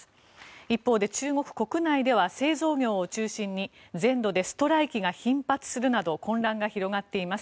一方で中国国内では製造業を中心に全土でストライキが頻発するなど混乱が広がっています。